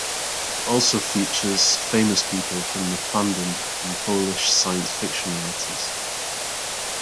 It also features famous people from the fandom and Polish science fiction writers.